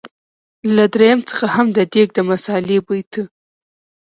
له دريم څخه هم د دېګ د مثالې بوی ته.